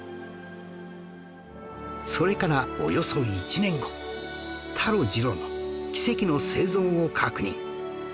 それからおよそ１年後タロ・ジロの奇跡の生存を確認